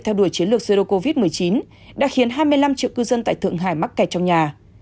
theo đuổi chiến lược zero covid một mươi chín đã khiến hai mươi năm triệu cư dân tại thượng hải mắc kẹt trong nhà